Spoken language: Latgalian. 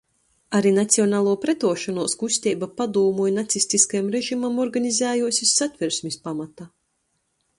Ari nacionaluo pretuošonuos kusteiba padūmu i nacistiskajam režimam organizējuos iz Satversmis pamata.